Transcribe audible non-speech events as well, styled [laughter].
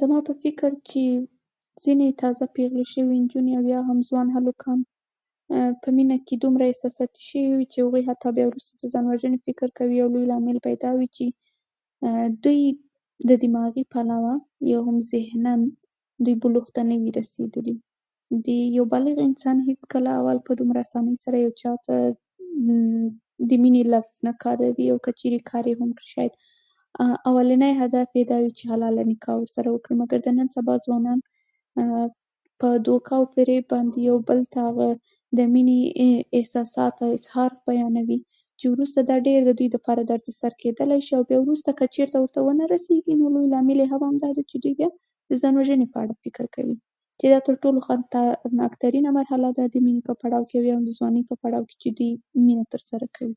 زما په فکر کې ځینې تازه پیغلې شوې نجونې او یا هم ځوانان هلکان په مینه کې دومره احساساتي شوي وي چې حتی وروسته بیا د ځان وژنې فکر کوي، او لوی لامل به یې دا وي چې دوی د دماغي پلوه یا هم ذهناً بلوغ ته نه وي رسېدلي. یو بالغ انسان هېڅکله اول په دومره اسانۍ سره یو چا ته [hesitation] د مینې لفظ نه کاروي، او که چېرې کاروي یې، نو شاید اولنی هدف یې دا وي چې حلاله نکاح سره وکړم. مګر د نن سبا ځوانان په دوکه باندې یو بل ته د مینې احساساتو اظهار بیانوي، چې وروسته دا ډېر دوی ته درد سر کېدلای شي. او بیا وروسته که چېرته که ورته ونه رسېږي، بیا نو لامل یې هم همدا وي چې بیا د ځان وژنې په اړه فکر کوي، چې دا تر ټولو خطرناکترینه حالت وي [unintelligible] ځوانۍ په پړاو کې چې دوی مینه ترسره کوي.